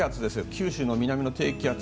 九州の南の低気圧。